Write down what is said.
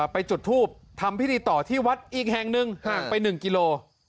ไปจุดภูมิทำพิธีต่อที่วัดอีกแห่ง๑กิโล